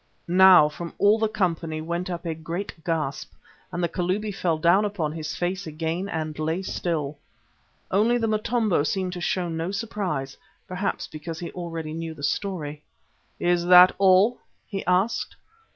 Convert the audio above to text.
Now from all the company went up a great gasp, and the Kalubi fell down upon his face again, and lay still. Only the Motombo seemed to show no surprise, perhaps because he already knew the story. "Is that all?" he asked.